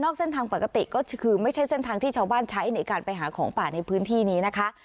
เส้นทางปกติก็คือไม่ใช่เส้นทางที่ชาวบ้านใช้ในการไปหาของป่าในพื้นที่นี้นะคะ